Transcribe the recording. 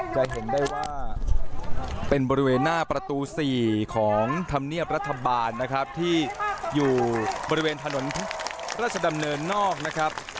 จะเห็นได้ว่าเป็นบริเวณหน้าประตู๔ของธรรมเนียบรัฐบาลนะครับที่อยู่บริเวณถนนราชดำเนินนอกนะครับ